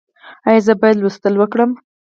ایا زه باید لوستل وکړم؟